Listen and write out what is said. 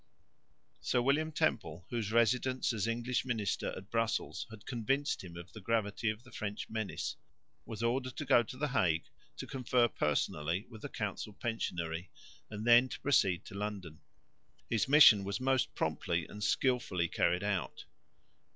Sir William Temple, whose residence as English minister at Brussels had convinced him of the gravity of the French menace, was ordered to go to the Hague to confer personally with the council pensionary and then to proceed to London. His mission was most promptly and skilfully carried out.